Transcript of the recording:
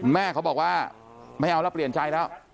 แม่เขาบอกว่าไม่เอาแล้วเปลี่ยนใจแล้ว